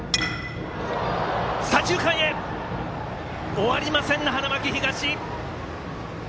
終わりません、花巻東。